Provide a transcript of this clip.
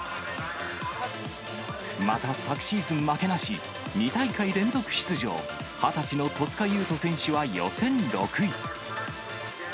また昨シーズン負けなし、２大会連続出場、２０歳の戸塚優斗選手は予選６位。